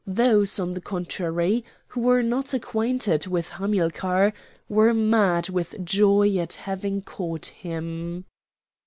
Those, on the contrary, who were not acquainted with Hamilcar, were mad with joy at having caught him.